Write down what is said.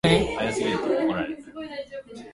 福島県三春町